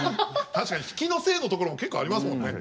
確かに比企のせいのところも結構ありますもんね。